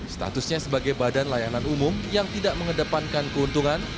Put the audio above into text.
statusnya sebagai badan layanan umum yang tidak mengedepankan keuntungan